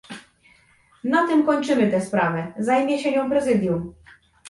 Na tym kończymy tę sprawę, zajmie się nią Prezydium